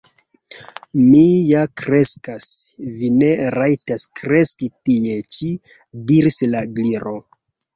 "Mi ja kreskas." "Vi ne rajtas kreski tie ĉi," diris la Gliro.